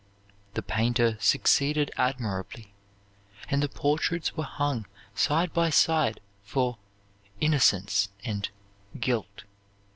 The painter succeeded admirably; and the portraits were hung side by side for "Innocence" and "Guilt."